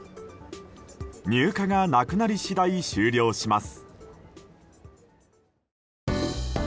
入荷がなくなり次第終了します。